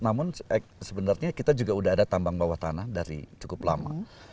namun sebenarnya kita juga sudah ada tambang bawah tanah dari cukup lama